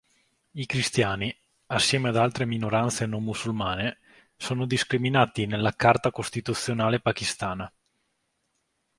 I cristiani, assieme ad altre minoranze non musulmane, sono discriminati nella carta costituzionale pakistana.